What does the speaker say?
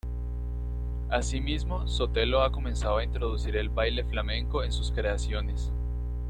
Asimismo, Sotelo ha comenzado a introducir el baile flamenco en sus creaciones.